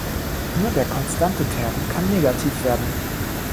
Nur der konstante Term kann negativ werden.